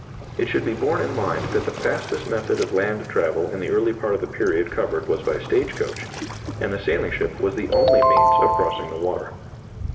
It should be borne in mind that the fastest method of land travel in the early part of the period covered was by stage coach; and the sailing ship was the only means of crossing the water.